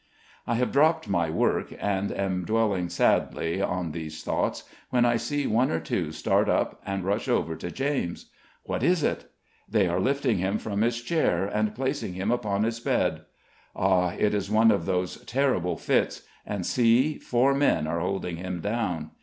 I have dropped my work, and am dwelling sadly on these thoughts, when I see one or two start up, and rush over to James. What is it? They are lifting him from his chair, and placing him upon his bed. Ah! it is one of those terrible fits; and see, four men are holding him down.